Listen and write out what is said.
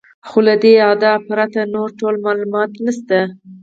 خو له دې ادعا پرته نور ډېر معلومات نشته.